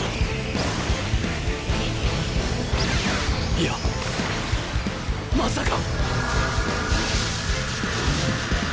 いやまさか！！